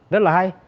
rất là hay